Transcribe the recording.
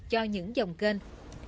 cho những dòng kênh